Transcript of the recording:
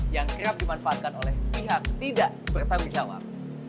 yang kerap dimanfaatkan oleh pihak tidak bertanggung jawab